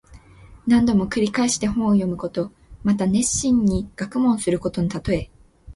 何度も繰り返して本を読むこと。また熱心に学問することのたとえ。